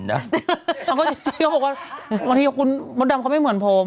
เขาบอกว่าบางทีคุณมดดำเขาไม่เหมือนผม